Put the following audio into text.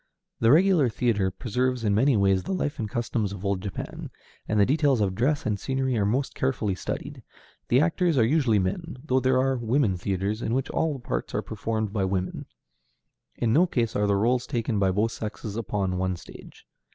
The regular theatre preserves in many ways the life and costumes of old Japan, and the details of dress and scenery are most carefully studied. The actors are usually men, though there are "women theatres" in which all the parts are performed by women. In no case are the rôles taken by both sexes upon one stage.